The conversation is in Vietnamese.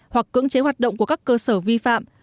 hoặc cưỡng chế hoạt động của các cơ sở vi phạm